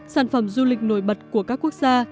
sản phẩm du lịch nổi bật của các quốc gia